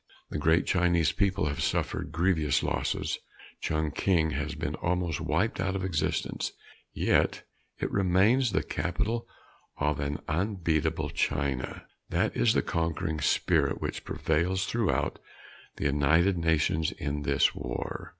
The great Chinese people have suffered grievous losses; Chungking has been almost wiped out of existence yet it remains the capital of an unbeatable China. That is the conquering spirit which prevails throughout the United Nations in this war.